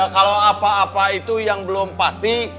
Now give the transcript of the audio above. kalau apa apa itu yang belum pasti